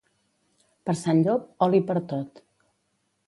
Per Sant Llop, oli per tot.